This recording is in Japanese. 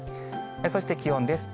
そして気温です。